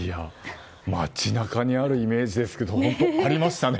街中にあるイメージですけど本当、ありましたね。